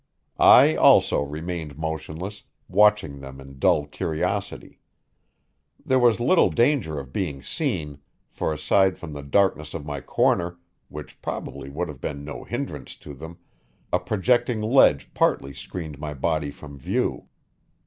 I, also, remained motionless, watching them in dull curiosity. There was little danger of being seen; for, aside from the darkness of my corner, which probably would have been no hindrance to them, a projecting ledge partly screened my body from view.